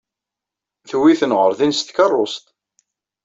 Tewwi-ten ɣer din s tkeṛṛust.